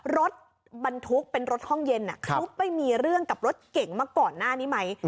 รถบรรทุกเป็นรถห้องเย็นเขาไปมีเรื่องกับรถเก่งมาก่อนหน้านี้ไหม